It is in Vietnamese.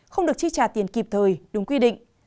không được chi trả tiền kịp thời đúng quy định